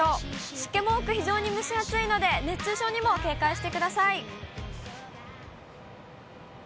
湿気も多く、非常に蒸し暑いので熱中症にも警戒してください。